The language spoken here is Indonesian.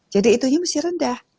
jadi itunya mesti rendah